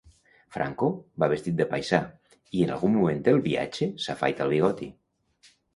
Franco va vestit de paisà i, en algun moment del viatge, s'afaita el bigoti.